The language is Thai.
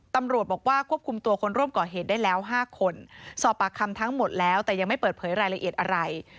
ตำรวจบอกว่าควบคุมตัวคนร่วมก่อเหตุได้แล้ว๕คนสอบปากคำทั้งหมดแล้วแต่ยังไม่เปิดเผยรายละเอียดอะไร